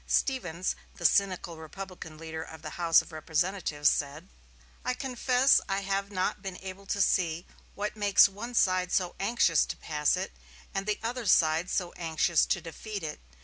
Stevens, the cynical Republican leader of the House of Representatives, said: "I confess I have not been able to see what makes one side so anxious to pass it, or the other side so anxious to defeat it.